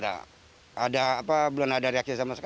ya hanya penerangan saja pak